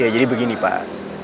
ya jadi begini pak